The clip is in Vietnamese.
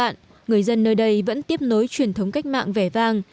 bắc cạn người dân nơi đây vẫn tiếp nối truyền thống cách mạng vẻ vang